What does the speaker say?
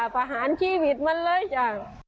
ประหารชีวิตมันเลยจ้ะ